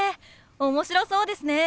面白そうですね！